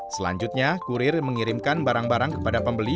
selanjutnya kurir mengirimkan barang barang kepada pembeli